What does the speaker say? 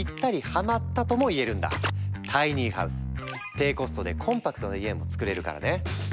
低コストでコンパクトな家もつくれるからね！